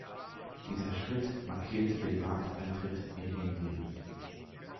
Dieser Schritt markierte den Markteintritt in Indien.